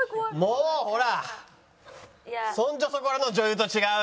もうほらそんじょそこらの女優と違う。